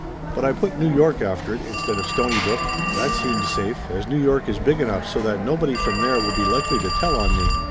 But I put New York after it, instead of Stonybrook. That seemed safe, as New York is big enough so that nobody from there would be likely to tell on me.